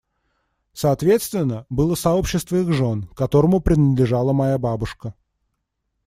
Соответственно, было сообщество их жен, к которому принадлежала моя бабушка.